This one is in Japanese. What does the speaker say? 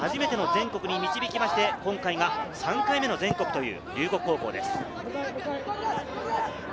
それからチームを初めての全国に導いて、今回が３回目の全国という龍谷高校です。